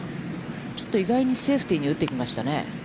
ちょっと意外にセーフティーに打ってきましたね。